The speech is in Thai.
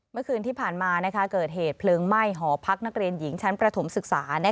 เมื่อคืนที่ผ่านมาเกิดเหตุเพลิงไหม้หอพักนักเรียนหญิงชั้นประถมศึกษา